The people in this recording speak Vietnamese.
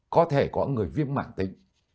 có thể có người viêm mạng tính